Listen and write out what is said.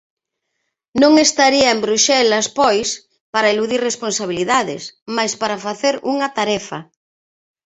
Non estaría en Bruxelas, pois, para "eludir responsabilidades", mais para "facer unha tarefa".